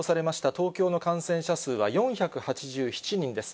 東京の感染者数は、４８７人です。